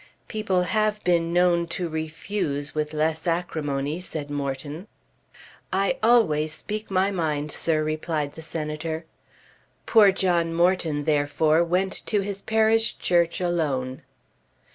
"People have been known to refuse with less acrimony," said Morton. "I always speak my mind, sir," replied the Senator. Poor John Morton, therefore, went to his parish church alone.